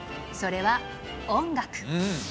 それは音楽。